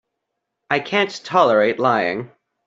I can't tolerate lying.